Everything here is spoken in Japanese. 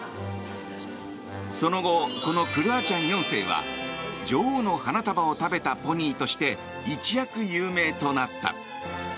その後、このクルアチャン４世は女王の花束を食べたポニーとして一躍有名となった。